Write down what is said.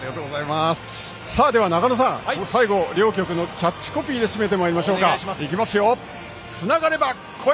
中野さん、最後は両局のキャッチコピーで締めていきましょう。